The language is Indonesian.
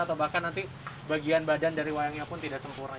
atau bahkan nanti bagian badan dari wayangnya pun tidak sempurna